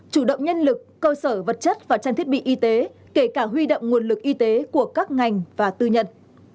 chủ động nhân lực cơ sở vật chất và trang thiết bị y tế kể cả huy động nguồn lực y tế của các ngành và tư nhân